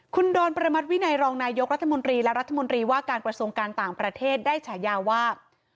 คุณดอนประมัติวินัยรองนายกรัฐมนตรีและรัฐมนตรีว่าการกระทรวงการต่างประเทศได้ฉายาว่า